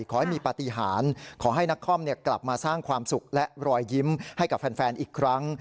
ขอให้มีปฏิหารขอให้นักคอมกลับมาสร้างความสุขและรอยยิ้มให้กับแฟนอีกครั้ง